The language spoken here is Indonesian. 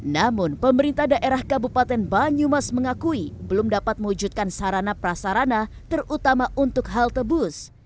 namun pemerintah daerah kabupaten banyumas mengakui belum dapat mewujudkan sarana prasarana terutama untuk halte bus